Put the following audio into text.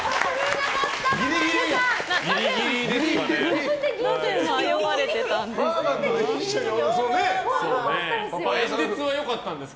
なぜ迷われてたんですか？